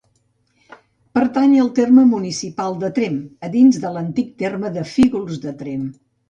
Pertany al terme municipal de Tremp, a dins de l'antic terme de Fígols de Tremp.